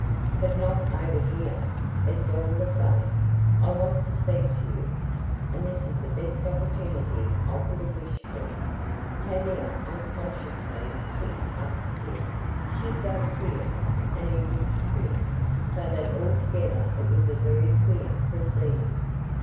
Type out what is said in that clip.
"But not over here. It's all the same. I want to speak to you, and this is the best opportunity I could have wished for." Tavia unconsciously picked up a stick. She felt queer, and he looked queer, so that altogether it was a very queer proceeding.